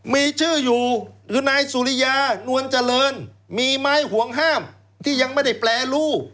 มีชื่ออยู่คือนายสุริยานวลเจริญมีไม้ห่วงห้ามที่ยังไม่ได้แปรรูป